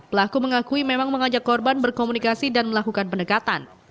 pelaku mengakui memang mengajak korban berkomunikasi dan melakukan pendekatan